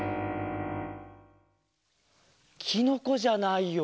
きのこじゃないよ。